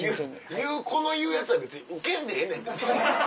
この言うやつは別にウケんでええねんで。